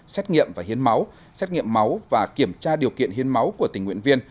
xét nghiệm và hiến máu xét nghiệm máu và kiểm tra điều kiện hiến máu của tình nguyện viên